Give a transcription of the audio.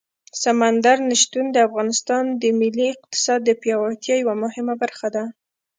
سمندر نه شتون د افغانستان د ملي اقتصاد د پیاوړتیا یوه مهمه برخه ده.